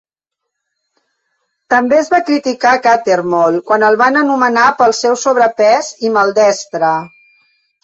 També es va criticar a Cattermole quan el van anomenar pel seu sobrepès i "maldestre".